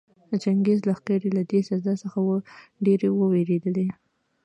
چنګېزي لښکرې له دې سزا څخه ډېرې ووېرېدلې.